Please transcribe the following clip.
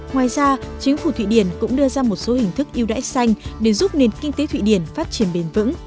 ngoài ra chính phủ thụy điển cũng đưa ra một số hình thức yêu đáy xanh để giúp nền kinh tế thụy điển phát triển bền vững